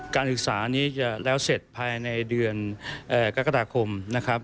การศึกษานี้จะแล้วเสร็จภายในเดือนกรกฎาคมนะครับ